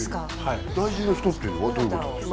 大事な人っていうのはどういうことですか？